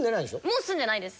もう住んでないです。